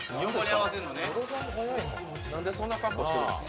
なんでそんな格好してるんですか？